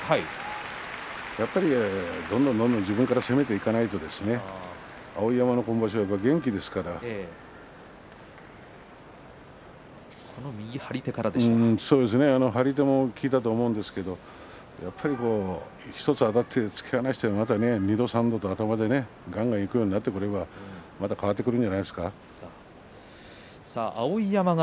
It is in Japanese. やはり、どんどんどんどん自分から攻めていかないと碧山、今場所元気ですから。張り手も効いたと思うんですがやはり１つあたって突き放して２度３度と頭でがんがんいくようになっていけばまた変わってくると思いますよ